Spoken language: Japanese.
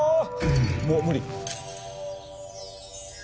もう無理。